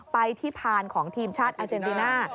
ไปที่พานของทีมชาติอาเจนติน่า